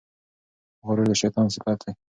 غرور د شیطان صفت دی.